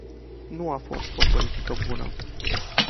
Nu a fost o politică bună.